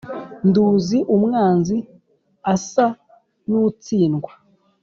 Nduzi umwanzi asa n ' utsindwa